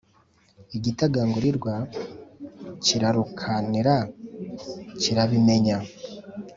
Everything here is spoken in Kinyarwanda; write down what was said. igitagangurirwa kirarukanira kirabimenya